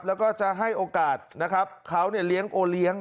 แล้วก็จะให้โอกาสนะครับเขาเลี้ยงโอเลี้ยง